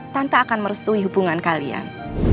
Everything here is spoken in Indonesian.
tanpa akan merestui hubungan kalian